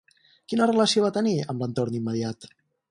Quina relació va a tenir amb l’entorn immediat?